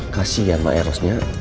kasih ya mbak erosnya